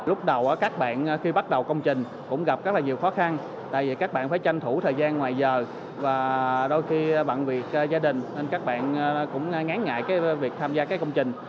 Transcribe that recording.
lúc đầu các bạn khi bắt đầu công trình cũng gặp rất là nhiều khó khăn tại vì các bạn phải tranh thủ thời gian ngoài giờ và đôi khi bằng việc gia đình nên các bạn cũng ngắn ngại việc tham gia các công trình